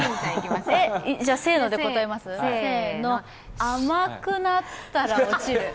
じゃ、せーの甘くなったら落ちる。